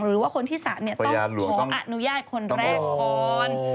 หรือว่าคนที่๓ต้องขออนุญาตคนแรกก่อน